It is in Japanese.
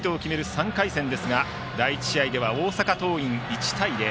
３回戦ですが第１試合では大阪桐蔭、１対０。